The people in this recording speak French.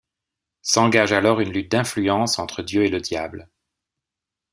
S'engage alors une lutte d'influence entre Dieu et le Diable…